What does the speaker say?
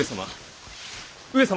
上様！